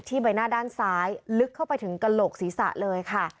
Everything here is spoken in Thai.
ใบหน้าด้านซ้ายลึกเข้าไปถึงกระโหลกศีรษะเลยค่ะ